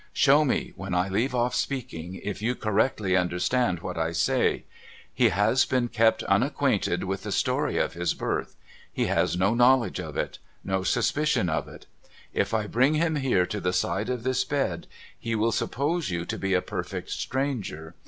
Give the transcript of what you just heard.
' Show me, when I leave off speaking, if you correctly understand what I say. He has been kept unacquainted with the story of his birth. He has no knowledge of it. No suspicion of it. If 1 bring him here to the side of this bed, he will suppose you to be a perfect stranger.